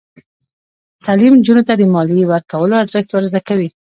تعلیم نجونو ته د مالیې ورکولو ارزښت ور زده کوي.